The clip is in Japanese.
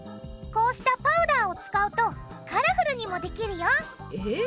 こうしたパウダーを使うとカラフルにもできるよえっ？